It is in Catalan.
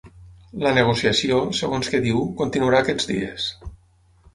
La negociació, segons que diu, continuarà aquests dies.